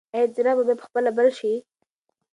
ایا څراغ به بیا په خپله بل شي؟